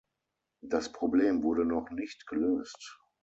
Das Problem wurde noch nicht gelöst.